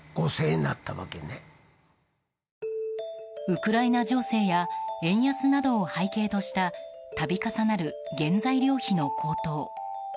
ウクライナ情勢や円安などを背景とした度重なる原材料費の高騰。